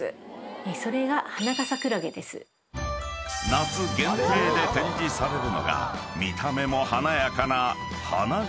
［夏限定で展示されるのが見た目も華やかな］